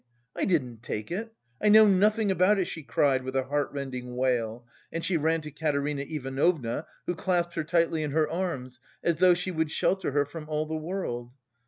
I didn't take it! I know nothing about it," she cried with a heartrending wail, and she ran to Katerina Ivanovna, who clasped her tightly in her arms, as though she would shelter her from all the world.